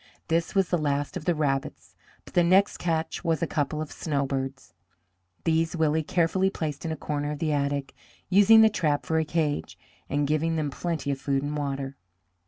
This was the last of the rabbits, but the next catch was a couple of snowbirds. These Willie carefully placed in a corner of the attic, using the trap for a cage, and giving them plenty of food and water.